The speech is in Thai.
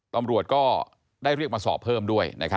ตำรวจก็ได้เรียกมาสอบเพิ่มด้วย